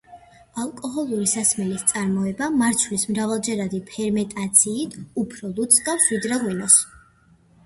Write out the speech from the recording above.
ალკოჰოლური სასმელის წარმოება მარცვლის მრავალჯერადი ფერმენტაციით უფრო ლუდს ჰგავს, ვიდრე ღვინოს.